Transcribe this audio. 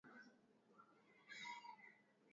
Sifa kwa Yesu.